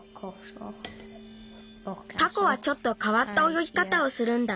タコはちょっとかわったおよぎかたをするんだ。